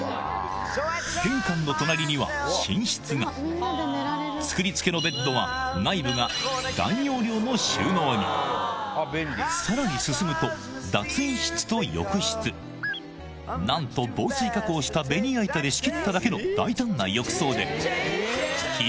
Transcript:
玄関の隣には寝室が作り付けのベッドは内部がさらに進むと脱衣室と浴室なんと防水加工したベニヤ板で仕切っただけの大胆な浴槽であっそう！